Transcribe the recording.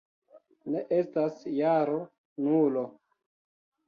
Ne estas jaro Nulo.